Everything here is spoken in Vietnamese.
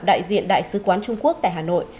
đại diện đại sứ quán trung quốc tại hà nội